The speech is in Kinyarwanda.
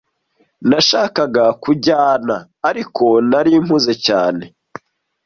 Nashakaga kujyana, ariko nari mpuze cyane.